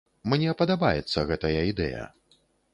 Мне падабаецца гэтая ідэя.